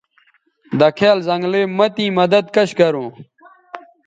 دکھیال زنگلئ مہ تیں مدد کش گروں